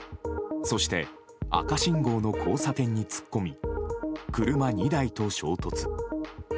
そして赤信号の交差点に突っ込み車２台と衝突。